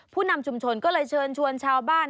ผู้นำชุมชนก็เลยเชิญชวนชาวบ้าน